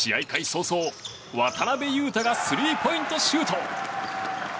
早々、渡邊雄太がスリーポイントシュート！